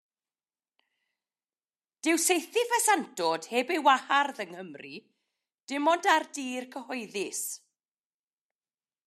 Dyw saethu ffesantod heb ei wahardd yng Nghymru, dim ond ar dir cyhoeddus.